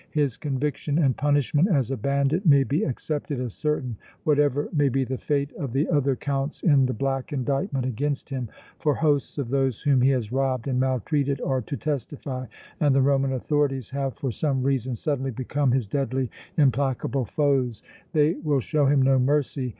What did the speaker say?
His conviction and punishment as a bandit may be accepted as certain, whatever may be the fate of the other counts in the black indictment against him, for hosts of those whom he has robbed and maltreated are to testify, and the Roman authorities have for some reason suddenly become his deadly, implacable foes; they will show him no mercy!